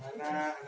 selamat hari baru